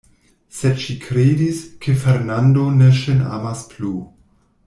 Sed ŝi kredis, ke Fernando ne ŝin amas plu.